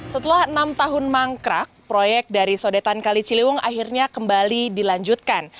setelah enam tahun mangkrak proyek dari sodetan kali ciliwung akhirnya kembali dilanjutkan